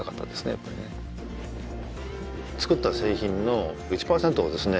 やっぱりね作った製品の１％をですね